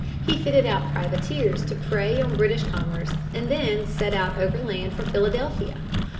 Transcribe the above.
He fitted out privateers to prey on British commerce and then set out overland for Philadelphia.